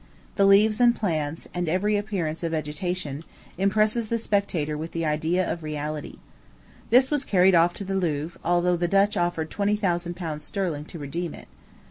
The leaves and plants, and every appearance of vegetation, impresses the spectator with the idea of reality. This was carried off to the Louvre, although the Dutch offered twenty thousand pounds sterling to redeem it.